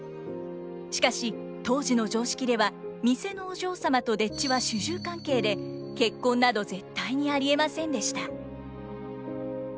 しかし当時の常識では店のお嬢様と丁稚は主従関係で結婚など絶対にありえませんでした。